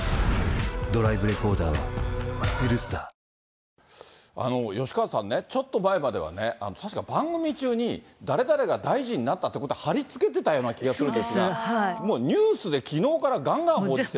まあ、吉川さんね、ちょっと前まではね、確か番組中に、誰々が大臣になったってことを貼りつけてたような気がするんですが、もうニュースできのうからがんがん報じてて。